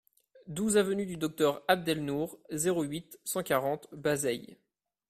douze avenue du Docteur Abd El Nour, zéro huit, cent quarante, Bazeilles